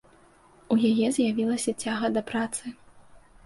У яе з'явілася цяга да працы.